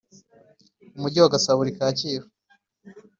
Umujyi wa Gasabo uri kacyiru